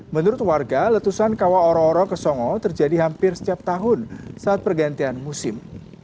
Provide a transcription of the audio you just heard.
menurut warga letusan kawah oro oro ke songo terjadi hampir setiap tahun saat pergantian musim